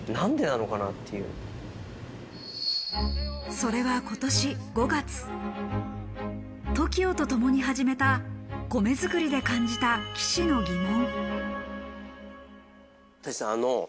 それは今年５月、ＴＯＫＩＯとともに始めた米作りで感じた岸の疑問。